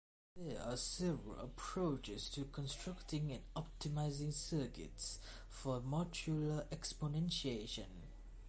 There are several approaches to constructing and optimizing circuits for modular exponentiation.